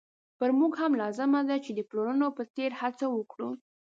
پر موږ هم لازمه ده چې د پلرونو په څېر هڅه وکړو.